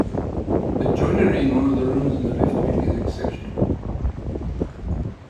The joinery in one of the rooms in the left wing is exceptional.